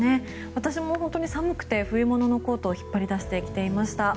私も本当に寒くて冬物のコートを引っ張り出して、着ていました。